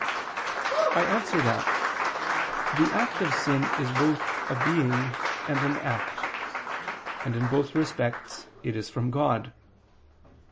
I answer that, The act of sin is both a being and an act; and in both respects it is from God.